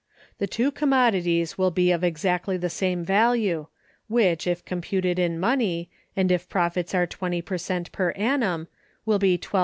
The two commodities will be of exactly the same value, which, if computed in money, and if profits are 20 per cent per annum, will be £1,200.